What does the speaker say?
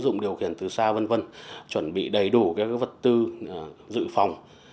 ứng dụng điều khiển từ xa vân vân chuẩn bị đầy đủ các vật tư dự phòng